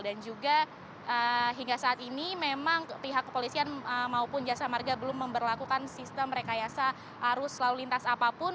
dan juga hingga saat ini memang pihak kepolisian maupun jasa marga belum memperlakukan sistem rekayasa arus selalu lintas apapun